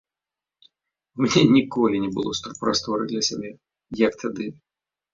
У мяне ніколі не было столькі прасторы для сябе, як тады.